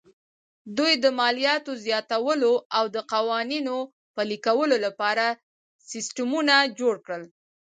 دوی د مالیاتو زیاتولو او د قوانینو پلي کولو لپاره سیستمونه جوړ کړل